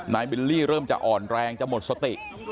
บิลลี่เริ่มจะอ่อนแรงจะหมดสติ